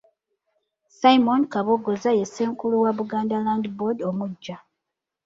Simon Kabogoza ye ssenkulu wa Buganda Land Board omuggya.